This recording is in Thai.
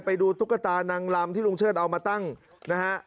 ตุ๊กตานางลำที่ลุงเชิดเอามาตั้งนะฮะ